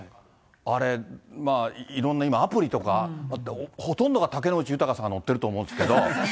あれ、いろんな今、アプリとかあって、ほとんどが竹野内豊さんが乗っていると思うんですけど。